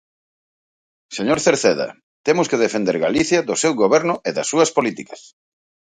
Señor Cerceda, temos que defender Galicia do seu goberno e das súas políticas.